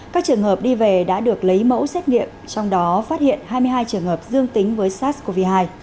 các trường hợp đi về đã được lấy mẫu xét nghiệm trong đó phát hiện hai mươi hai trường hợp dương tính với sars cov hai